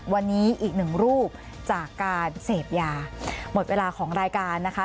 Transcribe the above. วันนี้อีกหนึ่งรูปจากการเสพยาหมดเวลาของรายการนะคะ